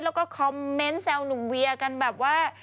แล้วก็คอมเมนต์แซวหนุ่มเวียกันแบบว่า